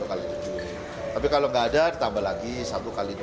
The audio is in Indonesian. kalau dia sendirian